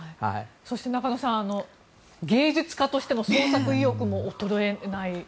そして中野さん芸術家としての創作意欲も衰えない。